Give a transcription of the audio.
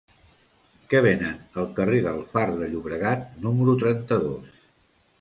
Què venen al carrer del Far de Llobregat número trenta-dos?